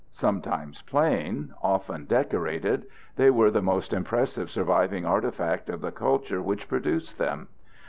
Sometimes plain, often decorated, they are the most impressive surviving artifact of the culture which produced them.